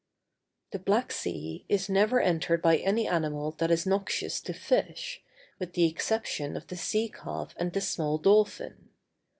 The Black Sea is never entered by any animal that is noxious to fish, with the exception of the sea calf and the small dolphin.